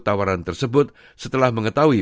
tawaran tersebut setelah mengetahui